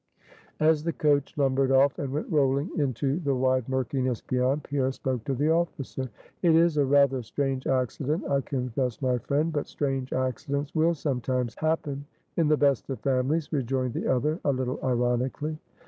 As the coach lumbered off, and went rolling into the wide murkiness beyond, Pierre spoke to the officer. "It is a rather strange accident, I confess, my friend, but strange accidents will sometimes happen." "In the best of families," rejoined the other, a little ironically.